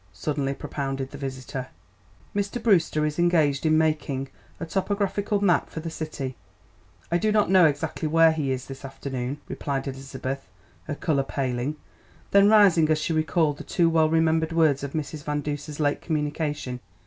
suddenly propounded the visitor. "Mr. Brewster is engaged in making a topographical map for the city; I do not know exactly where he is this afternoon," replied Elizabeth, her colour paling, then rising as she recalled the too well remembered words of Mrs. Van Duser's late communication.